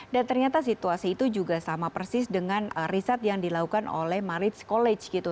dan ternyata situasi itu juga sama persis dengan riset yang dilakukan oleh maritz college gitu